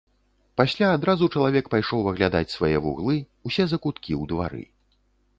Пасля адразу чалавек пайшоў аглядаць свае вуглы, усе закуткі ў двары.